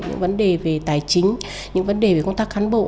những vấn đề về tài chính những vấn đề về công tác cán bộ